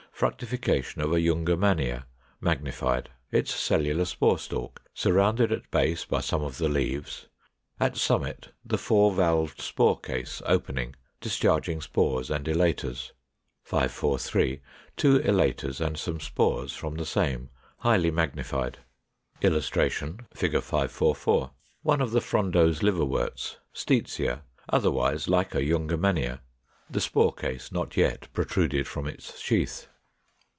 Fructification of a Jungermannia, magnified; its cellular spore stalk, surrounded at base by some of the leaves, at summit the 4 valved spore case opening, discharging spores and elaters. 543. Two elaters and some spores from the same, highly magnified.] [Illustration: Fig. 544. One of the frondose Liverworts, Steetzia, otherwise like a Jungermannia; the spore case not yet protruded from its sheath.